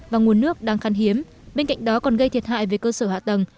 và nguồn nước đang khăn hiếm bên cạnh đó còn gây thiệt hại về cơ sở hạ tầng